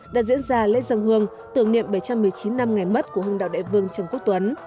đã diễn ra lễ dân hương tưởng niệm bảy trăm một mươi chín năm ngày mất của hương đạo đại vương trần quốc tuấn